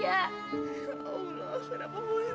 ya allah kenapa bukti dia